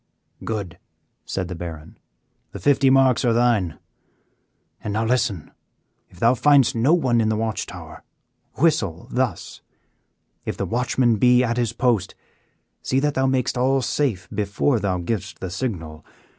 "Good," said the Baron, "the fifty marks are thine. And now listen, if thou findest no one in the watch tower, whistle thus; if the watchman be at his post, see that thou makest all safe before thou givest the signal.